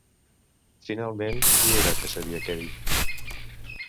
Finalment, qui era que sabia què dir?